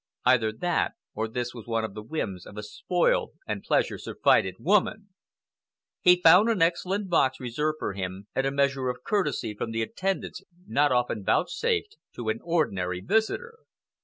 Either that, or this was one of the whims of a spoiled and pleasure surfeited woman. He found an excellent box reserved for him, and a measure of courtesy from the attendants not often vouchsafed to an ordinary visitor.